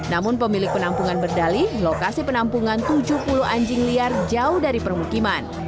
namun pemilik penampungan berdali lokasi penampungan tujuh puluh anjing liar jauh dari permukiman